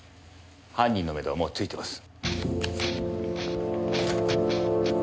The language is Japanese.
犯人のめどはもうついてます。